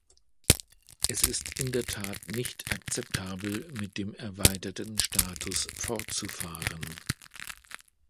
Es ist in der Tat nicht akzeptabel, mit dem erweiterten Status fortzufahren.